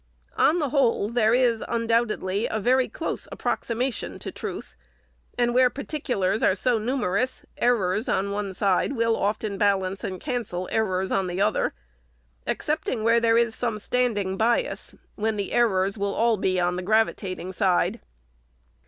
On the whole, there is, undoubtedly, a very close approximation of truth ; and where particu FIRST ANNUAL REPORT. 431 lars are so numerous, errors on one side will often balance and cancel errors on the other ; excepting where there is some standing bias, when the errors will all be on the gravitating side.